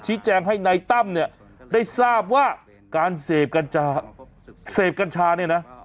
ฉีดแจงให้ในตั้มเนี่ยได้ทราบว่าการเสพกัญชาเสพกัญชานี่น่ะ